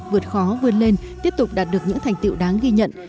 vượt khó vươn lên tiếp tục đạt được những thành tiệu đáng ghi nhận